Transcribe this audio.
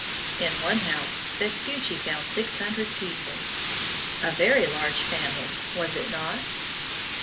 In one house Vespucci found six hundred people. A very large family, was it not?